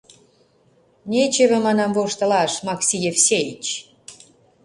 — Нечеве, манам, воштылаш, Макси Евсеич.